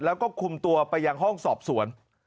แล้วก็คุมตัวไปยังห้องสอบสวน